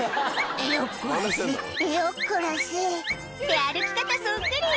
「よっこらせよっこらせ」って歩き方そっくり！